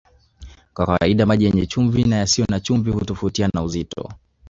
Kwa kawaida maji yenye chumvi na yasiyo na chumvi hutofautiana uzito